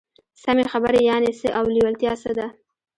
سمې خبرې يانې څه او لېوالتيا څه ده؟